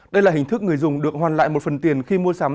đây là hình thức người dùng được hoàn lại một phần tiền khi mua sắm